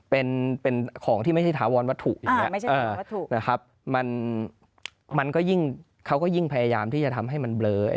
เป็นของที่ไม่ใช่ถาวรวัตถุอย่างนี้นะครับมันก็ยิ่งเขาก็ยิ่งพยายามที่จะทำให้มันเบลอ